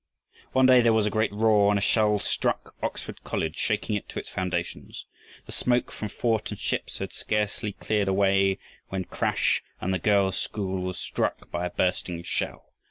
One day there was a great roar and a shell struck Oxford College, shaking it to its foundations. The smoke from fort and ships had scarcely cleared away when, crash! and the girls' school was struck by a bursting shell.